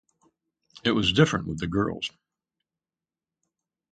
It was different with the girls.